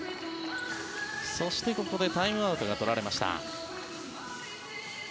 そこで、ここでタイムアウトが取られました。